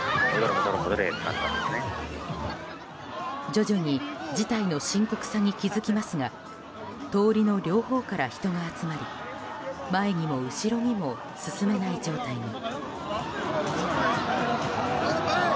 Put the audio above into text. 徐々に事態の深刻さに気付きますが通りの両方から人が集まり前にも後ろにも進めない状態に。